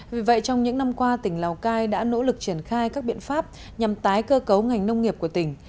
vì vậy trong những năm qua tỉnh lào cai đã nỗ lực triển khai các biện pháp nhằm tái cơ cấu ngành nông nghiệp của tỉnh